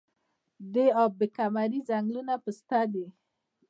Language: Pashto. د اب کمري ځنګلونه پسته دي